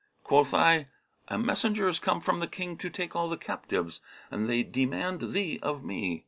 Quoth I, 'A messenger is come from the King to take all the captives, and they demand thee of me.'